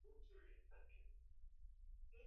Nyama ya mbuzi iko butamu